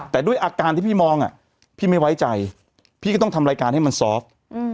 แต่ด้วยอาการที่พี่มองพี่ไม่ไว้ใจพี่ก็ต้องทำรายการให้มันซอฟต์